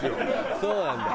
そうなんだよ。